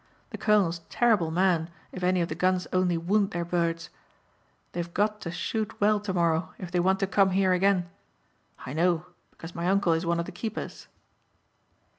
The colonel's terrible man if any of the guns only wound their birds. They've got to shoot well tomorrow if they want to come here again. I know because my uncle is one of the keepers."